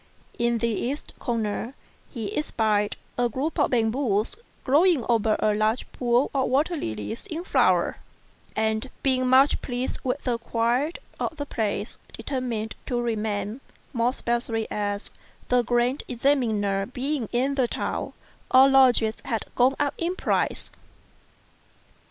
In the east corner he espied a group of bamboos, growing over a large pool of water lilies in flower ; and, being much pleased with the quiet of the place, determined to remain ; more especially as, the Grand Examiner being in the town, all lodgings had gone up in price.